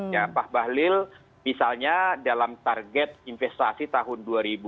ya pak bahlil misalnya dalam target investasi tahun dua ribu dua puluh